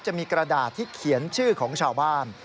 จะมีกระดาษที่เขียนชื่อของชาวบ้าน